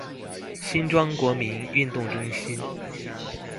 新莊國民運動中心